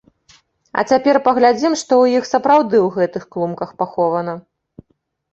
А цяпер паглядзім, што ў іх сапраўды ў гэтых клумках пахована.